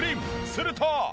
すると。